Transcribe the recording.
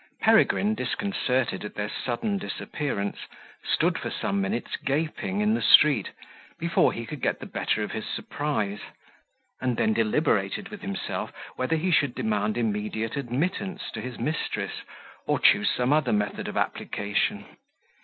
Peregrine, disconcerted at their sudden disappearance, stood for some minutes gaping in the street, before he could get the better of his surprise; and then deliberated with himself whether he should demand immediate admittance to his mistress, or choose some other method of application.